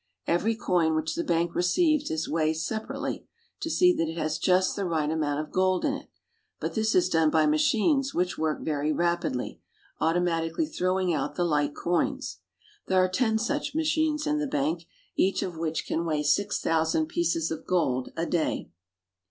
Every coin which the bank receives is weighed separately to see that it has just the right amount of gold in it ; but this is done by machines which work . very rapidly, automatically throwing out the light coins. There are ten such machines in the bank, each of which can weigh six thousand pieces of gold a day.